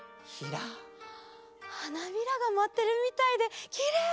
はなびらがまってるみたいできれい！